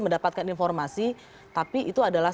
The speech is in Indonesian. kita dapatkan informasi tapi itu adalah